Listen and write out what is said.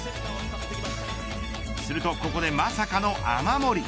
するとここで、まさかの雨漏り。